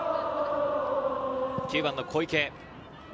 ９番の小池。